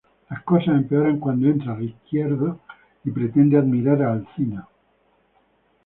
Las cosas empeoran cuando entra 'Ricciardo' y pretende admirar a Alcina.